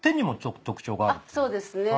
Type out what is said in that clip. あっそうですね。